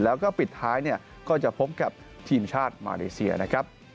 แล้วก็ปิดท้ายเนี่ยก็จะพบกับทีมชาติมาเลเซียนะครับ